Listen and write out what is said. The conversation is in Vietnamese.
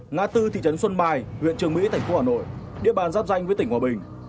ngã tư thị trấn xuân bài huyện trường mỹ thành phố hà nội địa bàn giáp danh với tỉnh hòa bình